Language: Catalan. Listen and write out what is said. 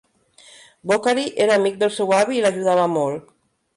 Bokhari era amic del seu avi i l'ajudava molt.